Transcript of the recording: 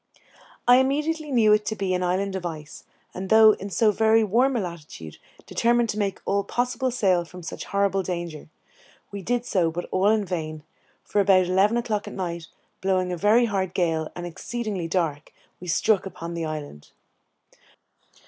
I immediately knew it to be an island of ice, and though in so very warm a latitude, determined to make all possible sail from such horrible danger. We did so, but all in vain, for about eleven o'clock at night, blowing a very hard gale, and exceedingly dark, we struck upon the island.